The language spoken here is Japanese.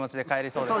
そうです。